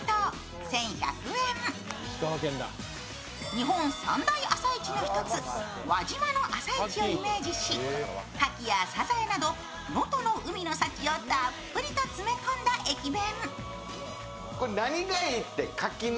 日本３大朝市の一つ輪島の朝市をイメージしかきやさざえなど、能登の海の幸をたっぷりと詰め込んだ駅弁。